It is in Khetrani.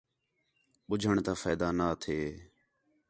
ٻُجھݨ تا فائدہ نہ تھے